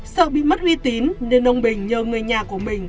sợ bị mất uy tín nên ông bình nhờ người nhà của mình